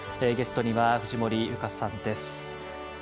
ゲストには藤森由香さんです。